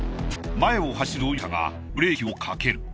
前を走る乗用車がブレーキをかける。